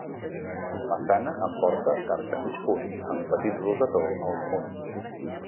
Façana amb porta d'arc de mig punt amb petit rosetó al damunt.